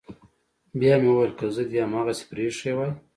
بيا مې وويل که زه دې هماغسې پريښى واى.